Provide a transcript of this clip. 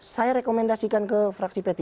saya rekomendasikan ke fraksi p tiga